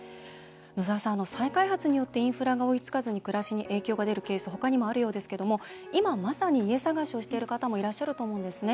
野澤さん、再開発によってインフラが追いつかず暮らしに影響が出るケース他にもあるようですけれども今、まさに家探しをしている方もいると思うんですね。